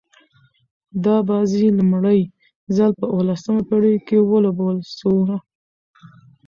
دا بازي لومړی ځل په اوولسمه پېړۍ کښي ولوبول سوه.